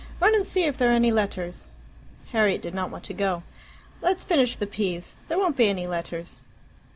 Run and see if there are any letters." Harriet did not want to go. "Let's finish the peas. There won't be any letters."